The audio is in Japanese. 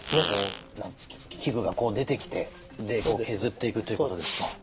器具がこう出てきて削っていくということですか。